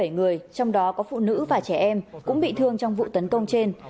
bảy người trong đó có phụ nữ và trẻ em cũng bị thương trong vụ tấn công trên